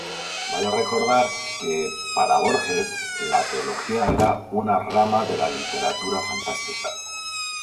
Vale recordar que, para Borges, la teología era "una rama de la literatura fantástica".